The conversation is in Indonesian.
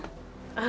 kamu ada apa apa